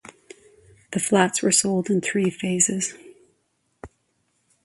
The flats were sold in three phases.